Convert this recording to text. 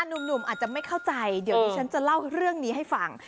หนุ่มอาจจะไม่เข้าใจเดี๋ยวดิฉันจะเล่าเรื่องนี้ให้ฟัง